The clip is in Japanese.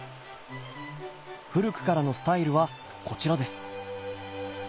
古くからのスタイルはこちらです。